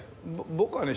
僕はね